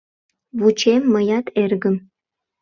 — Вучем мыят эргым.